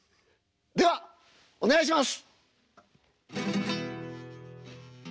ではお願いします。